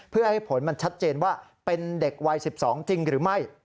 เพื่อให้ผลมันชัดเจนว่าเป็นเด็กวัย๑๒จริงหรือไม่